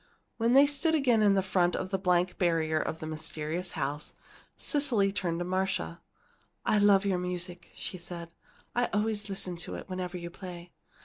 When they stood again in front of the blank barrier to the mysterious house, Cecily turned to Marcia. "I love your music," she said. "I always listen to it whenever you play.